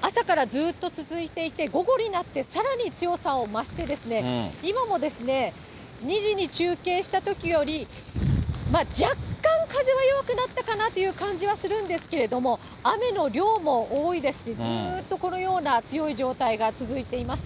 朝からずっと続いていて、午後になって、さらに強さを増して、今も２時に中継したときより、若干風は弱くなったかなという感じはするんですけれども、雨の量も多いですし、ずっとこのような強い状態が続いています。